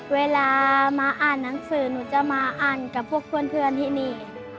เวลามาอ่านหนังสือหนูจะมาอ่านกับพวกเพื่อนที่นี่